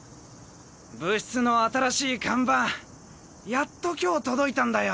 部室の新しい看板やっと今日届いたんだよ。